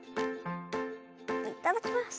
いただきます。